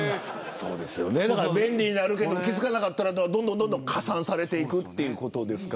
便利になるけど気付かなかったらどんどん加算されていくということ。